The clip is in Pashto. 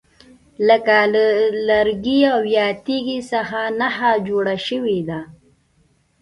لکه له لرګي او یا تیږي څخه نښه جوړه شوې ده.